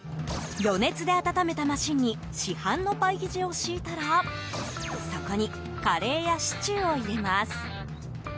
予熱で温めたマシンに市販のパイ生地を敷いたらそこにカレーやシチューを入れます。